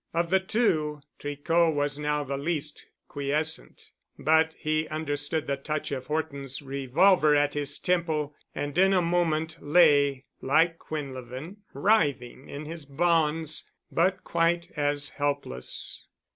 Of the two Tricot was now the least quiescent, but he understood the touch of Horton's revolver at his temple, and in a moment lay like Quinlevin, writhing in his bonds but quite as helpless.